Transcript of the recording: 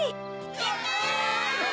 やった！